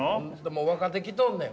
もう若手来とんねん。